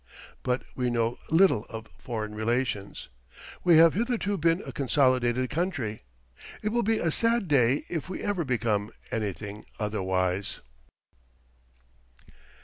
But we know little of foreign relations. We have hitherto been a consolidated country. It will be a sad day if we ever become anything otherwise.